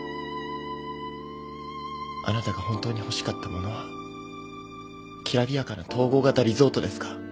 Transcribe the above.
あなたが本当に欲しかったものはきらびやかな統合型リゾートですか？